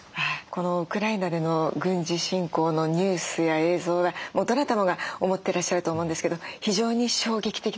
このウクライナでの軍事侵攻のニュースや映像はもうどなたもが思ってらっしゃると思うんですけど非常に衝撃的でした。